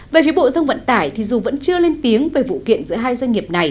về phía bộ dân vận tải thì dù vẫn chưa lên tiếng về vụ kiện giữa hai doanh nghiệp